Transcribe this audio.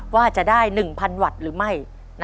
ว่าจะได้๑๐๐๐วัตต์หรือไม่